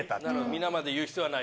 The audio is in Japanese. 皆まで言う必要はない。